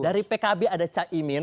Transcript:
dari pkb ada ca imin